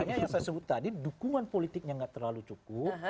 makanya yang saya sebut tadi dukungan politiknya nggak terlalu cukup